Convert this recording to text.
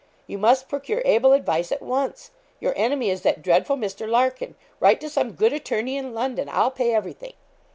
You must procure able advice at once. Your enemy is that dreadful Mr. Larkin. Write to some good attorney in London. I'll pay everything.'